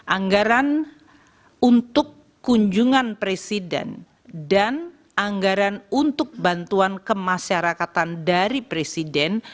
anggaran untuk kunjungan presiden dan anggaran untuk bantuan kemasyarakatan dari presiden